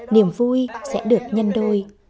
niềm vui sẽ được nhân đôi